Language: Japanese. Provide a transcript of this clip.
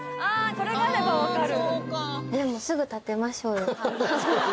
これがあれば分かる！